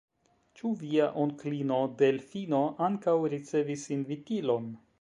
Ĉu via onklino Delfino ankaŭ ricevis invitilon?